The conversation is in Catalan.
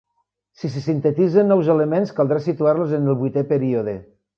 Si se sintetitzen nous elements, caldrà situar-los en el vuitè període.